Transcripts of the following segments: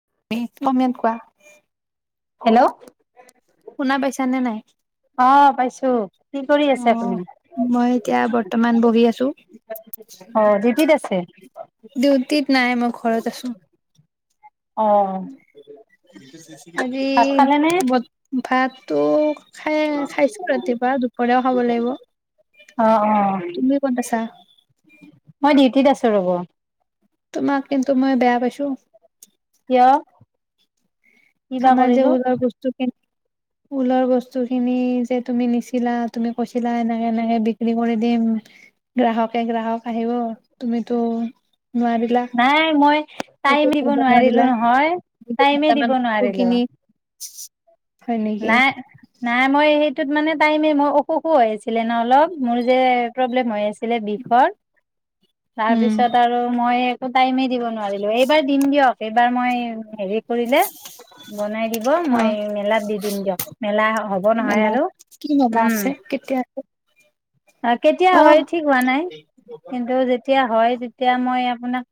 [unintelligible] Hello. শুনা পাইছা নে নাই? অ পাইছো। কি কৰি আছে আহ আপুনি? মই এতিয়া বৰ্তমান বহি আছো। সেয়া। [unintelligible] নাই, মই ঘৰত আছো। অ। আজি ভাত খালে নে? বট ভাত তোক খাই খাইছো ৰাতিপুৱা দুপৰীয়াও খাব লাগিব, অ অ তুমি ক'ত আছা? মই ডিউটিত আছোঁ ৰব। তোমাক কিন্তু মই বেয়া পাইছোঁ। কিয়? কিবা আমাৰ যে কৰিলো? উলৰ বস্তু খিনি উলৰ বস্তু খিনি যে তুমি নিছিলা, তুমি কৈছিলা এনেকে এনেকে বিক্ৰী কৰি দিম গ্ৰাহকে গ্ৰাহক আহিব, তুমিতো নোৱাৰিলা নাই মই একো টাইম দিব কৰিব নোৱাৰিলো নোৱাৰিলা। নহয়, টাইমে দুটামান দিব নো বস্তু নোৱাৰিলোঁ। কিনি [inaudible] নাই নাই মই সেই টোত মানে টাইমে মই অসুখো হৈ আছিলে ন অলপ, মোৰ যে প্ৰব্লেম হৈ আছি আছিলে বিষৰ, উম। তাৰপিছত আৰু মই টাইমেই দিব নোৱাৰিলো এইবাৰ দিম দিয়ক। এইবাৰ মই হেৰি কৰিলে বনাই দিব অ মই মেলাত দি মেলা হব নহয় মেলা আৰু, কি মেলা উম আছে কেতিয়া আছে? কেতিয়া হয় অহ ঠিক হোৱা নাই কিন্তু যেতিয়া হয় তেতিয়া মই আপোনাক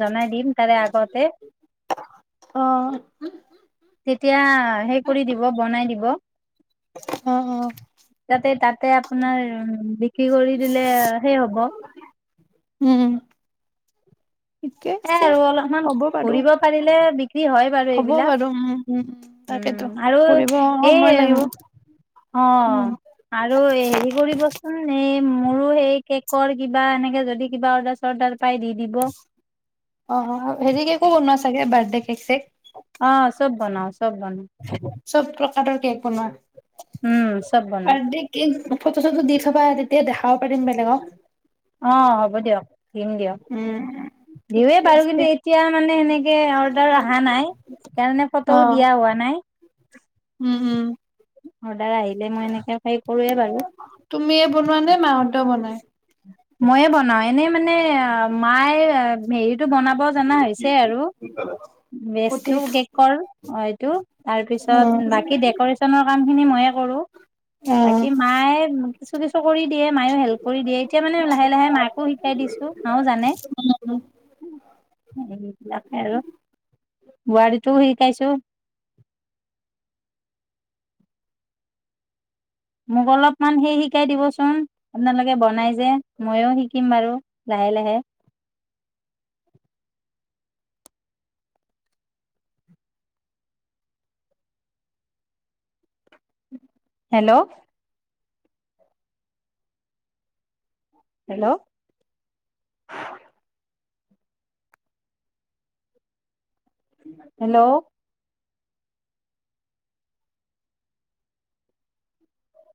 জনাই দিম তাৰে আগতে। অ', তেতিয়া সেই কৰি দিব বনাই দিব। অ', অ', তাতে তাতে আপোনাৰ বিক্ৰী কৰি দিলে সেই হ'ব উম। ঠিকে এ আছে। আৰু অলপমান হ'ব বাৰু। ঘুৰিব পাৰিলে বিক্ৰী হয় বাৰু হ'ব এইবিলাক, বাৰু উম, উম, তাকেতো উম আৰু ফুৰিব সময় লাগিব, এই অ উম। আৰু হেৰি কৰিবচোন এই মোৰো সেই কেকৰ কিবা এনেকে যদি কিবা অৰ্ডাৰ চৰ্ডাৰ পাই দি দিব। অ হেৰি কেকো বনোৱা চাগে বাৰ্থডে কেক চেক? অঁ চব বনওঁ। চব প্ৰ প্ৰকাৰৰ কেক বনোৱা? উম, চব বনাও। বাৰ্থদে কেক ফটো চটো দি থবা তেতিয়া দেখাব পাৰিম বেলেগক। অঁ, হ'ব দিয়ক। দিম দিয়ক। উম, ঠিকে দিওঁৱেই বাৰু আছে। কিন্তু এতিয়া মানে এনেকে অৰ্ডাৰ অহা নাই, সেইকাৰণে ফটোও অ', দিয়া হোৱা নাই। উম, উম। অ'ৰ্ডাৰ আহিলে মই এনেকে হেৰি কৰোৱে বাৰু। তুমিয়ে বনোৱা নে মাহঁতেও বনাই? মইয়ে বনাও এনেই মানে এ, মায়ে হেৰিটো বনাব জনা হৈছে আৰু, বেষ্টটো অ', কেকৰ অ', এইটো, তাৰপিছত বাকী ডেক'ৰেচনৰ কাম খিনি মইয়ে কৰোঁ, বাকী অ'। মায়ে কিছু কিছু কৰি দিয়ে মায়ও হেল্প কৰি দিয়ে। লাহে লাহে মাইকো শিকাই মাও জানে। উম, উম। এইবিলাকে আৰু। বোৱাৰীটোও শিকাইছো। মোক অলপমান সেই শিকাই দিবচোন, আপোনালোকে বনাই যে, ময়ও শিকিম বাৰু লাহে লাহে। হেল্ল'। হেল্ল'। হেল্ল'।